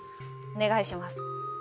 お願いします。